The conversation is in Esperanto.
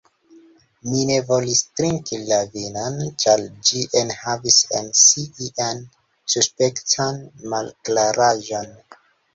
Mi ne volis trinki la vinon, ĉar ĝi enhavis en si ian suspektan malklaraĵon.